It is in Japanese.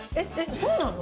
そうなの？